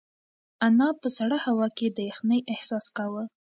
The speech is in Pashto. انا په سړه هوا کې د یخنۍ احساس کاوه.